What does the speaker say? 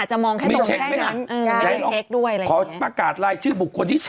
ช่วงประรักษ์มันบางตา